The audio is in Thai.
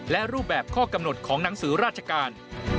และรูปแบบข้อกำหนดของหนังสือราชการ